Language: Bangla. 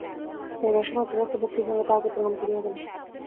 যাইবার সময় যথার্থ ভক্তির সঙ্গে তাঁহাকে প্রণাম করিয়া গেল।